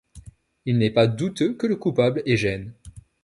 Il n'est pas douteux que le coupable est Gène.